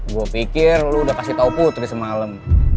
gue pikir lo udah kasih tau putri semalam